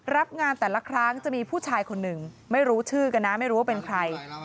รับงานแต่ละครั้งจะมีผู้ชายคนหนึ่งไม่รู้ชื่อกันนะไม่รู้ว่าเป็นใคร